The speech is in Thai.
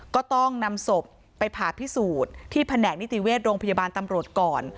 ก็ต้องนำศพไปผ่าพิสูจน์ที่แผนกนิติเวชโรงพยาบาลตำรวจก่อน